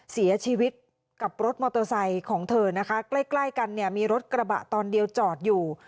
เสียชีวิตกับรถมอเตอร์ไซค์ของเธอนะคะใกล้ใกล้กันเนี่ยมีรถกระบะตอนเดียวจอดอยู่